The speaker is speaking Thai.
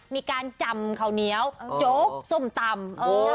มีการจำข้าวเหนียวโจ๊กส้มตำ